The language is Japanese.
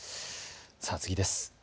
さあ、次です。